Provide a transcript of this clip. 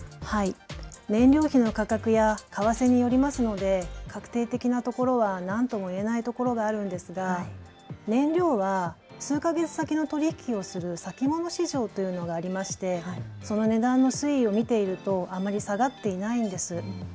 燃料費の価格や為替によりますので確定的なところは何とも言えないところがあるんですが、燃料は数か月先の取り引きをする先物市場というのがありましてその値段の推移を見ているとあまり下がっていないんです。